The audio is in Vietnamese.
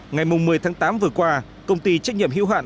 ngày một mươi tháng tám vừa qua công ty trách nhiệm hữu hạn